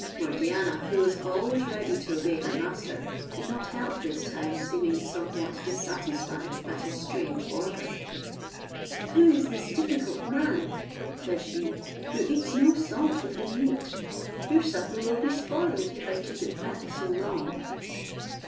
Morgiana, who was always ready to obey her master, could not help, this time, seeming somewhat dissatisfied at his strange order. "Who is this difficult man," said she, "who eats no salt with his meat? Your supper will be spoiled, if I keep it back so long."